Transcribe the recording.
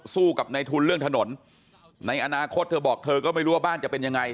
สู้กับในทุนเรื่องถนนในอนาคตเธอบอกเธอก็ไม่รู้ว่าบ้านจะเป็นยังไง